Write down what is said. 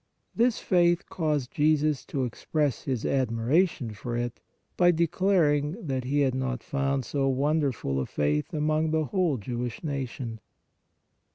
This faith caused Jesus to express His admiration for it by declaring that He had not THE CENTURION 77 found so wonderful a faith among the whole Jewish nation.